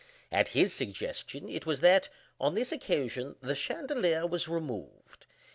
At his suggestion it was that, on this occasion, the chandelier was removed.